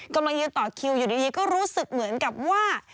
กำลังยืนต่อคิวอยู่ดีก็รู้สึกเหมือนกับว่า